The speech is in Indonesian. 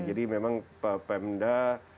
jadi memang pak pemda